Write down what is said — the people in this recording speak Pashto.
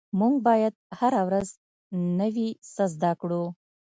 مونږ باید هره ورځ نوي څه زده کړو